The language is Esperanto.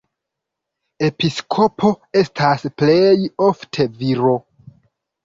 Episkopo estas plej ofte viro.